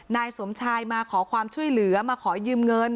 นายสมชายมาขอความช่วยเหลือมาขอยืมเงิน